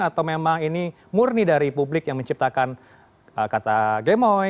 atau memang ini murni dari publik yang menciptakan kata gemoy